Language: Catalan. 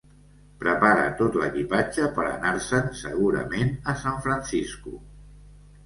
Prepara tot l'equipatge per anar-se'n, segurament a San Francisco.